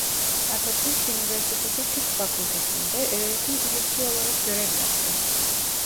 Atatürk Üniversitesi Tıp Fakültesi'nde öğretim üyesi olarak görev yaptı.